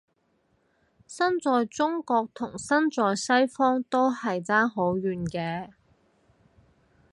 身在中國同身在西方都係爭好遠嘅